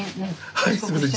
はいすいません。